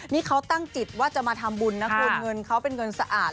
นี่เขาตั้งจิตว่าจะมาทำบุญนะคุณเงินเขาเป็นเงินสะอาด